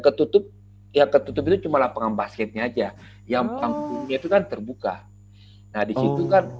ketutup ya ketutup itu cuma lapangan basketnya aja yang panggungnya itu kan terbuka nah disitu kan